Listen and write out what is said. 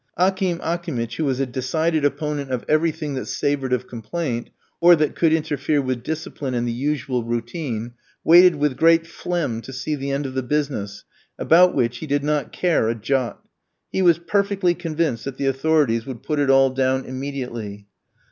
Akim Akimitch, who was a decided opponent of everything that savoured of complaint, or that could interfere with discipline and the usual routine, waited with great phlegm to see the end of the business, about which he did not care a jot. He was perfectly convinced that the authorities would put it all down immediately.